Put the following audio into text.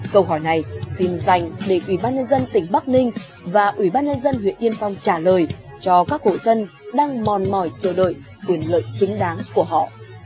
câu hỏi này xin dành để ủy ban nhân dân tỉnh bắc ninh và ủy ban nhân dân huyện yên phong trả lời cho các hộ dân đang mòn mỏi chờ đợi quyền lợi chính đáng của họ